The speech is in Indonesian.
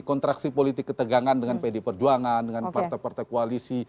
kontraksi politik ketegangan dengan pd perjuangan dengan partai partai koalisi